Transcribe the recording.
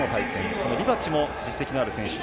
このリバチも実績のある選手。